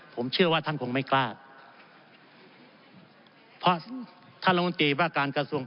ผมเชื่อว่าท่านคงไม่กล้าเพราะท่านรัฐมนตรีว่าการกระทรวง